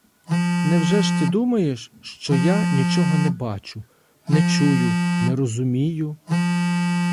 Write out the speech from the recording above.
Невже ж ти думаєш, що я нічого не бачу, не чую, не розумію?